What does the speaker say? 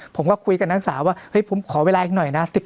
ผมก็คุยกับนักศึกษาว่าขอเวลาอีกหน่อยนะ๑๙กัญญา